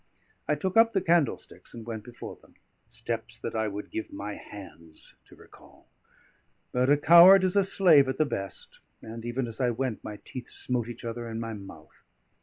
I took up the candlesticks and went before them, steps that I would give my hands to recall; but a coward is a slave at the best; and even as I went, my teeth smote each other in my mouth.